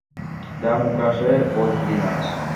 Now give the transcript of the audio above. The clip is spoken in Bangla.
যা মুখে আসে বলতে দিন আজ।